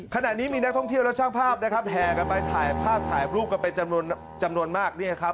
ขณะนี้มีนักท่องเที่ยวและช่างภาพแพลกันไปถ่ายภาพถ่ายรูปกันไปจำนวนมาก